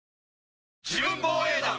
自分防衛団！